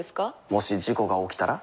もし事故が起きたら？